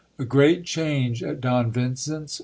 — A great change at Don Vincenfs.